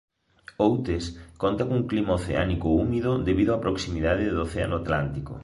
Outes conta cun clima oceánico húmido debido á proximidade do océano Atlántico.